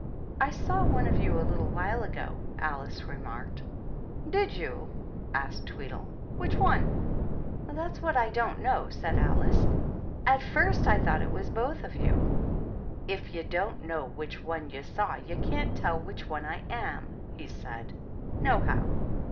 " I saw one of you a little while ago," Ali remarked. " Did you ?" asked Tweedle. " Which one ' THE TWEEDLES. 277 " That's what I don't know," said Alice. " At first I thought it was both of you." " If you don't know which one you saw, you can't tell which one I am," he said, "nohow."